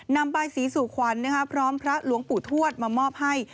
นำใบสีสู่ขวัญพร้อมพระหลวงปู่ทวดมามอบให้